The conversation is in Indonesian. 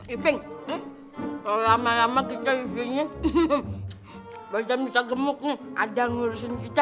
ipeng lama lama kita isinya badan gemuk ada ngurusin kita